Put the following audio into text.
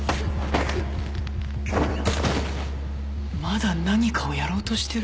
まだ何かをやろうとしてる？